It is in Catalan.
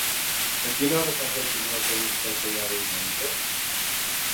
A quina hora passa el primer autobús per Teià diumenge?